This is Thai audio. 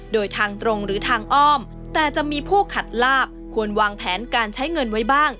โดยทางตรงหรือทางอ้อมแต่จะมีผู้ขัดลาบควรวางแผนการใช้เงินไว้บ้าง